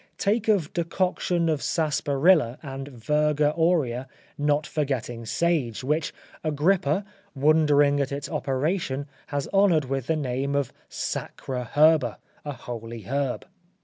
Take of decoction of sarsaparilla and virga aurea, not forgetting sage, which Agrippa, wondering at its operation, has honoured with the name of sacra herba, a holy herb.